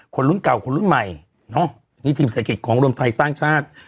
คนรุ่นเก่าคนรุ่นใหม่เนาะนี่ทีมเศรษฐกิจของรวมไทยสร้างชาติ